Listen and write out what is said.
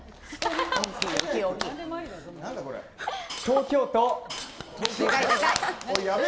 東京都。